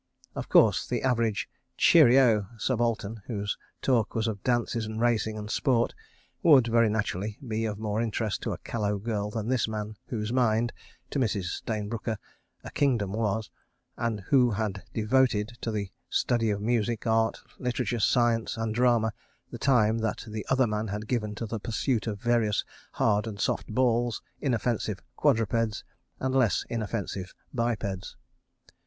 Of course, the average "Cheerioh" subaltern, whose talk was of dances and racing and sport, would, very naturally, be of more interest to a callow girl than this man whose mind (to Mrs. Stayne Brooker) a kingdom was, and who had devoted to the study of music, art, literature, science, and the drama, the time that the other man had given to the pursuit of various hard and soft balls, inoffensive quadrupeds, and less inoffensive bipeds.